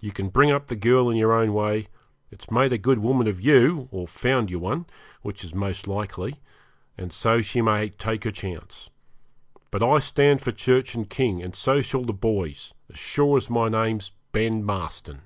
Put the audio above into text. You can bring up the girl in your own way; it's made a good woman of you, or found you one, which is most likely, and so she may take her chance. But I stand for Church and King, and so shall the boys, as sure as my name's Ben Marston.'